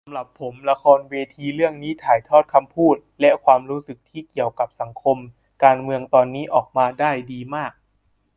สำหรับผมละครเวทีเรื่องนี้ถ่ายทอดคำพูด และความรู้สึกที่เกี่ยวกับสังคมการเมืองตอนนี้ออกมาได้ดีมาก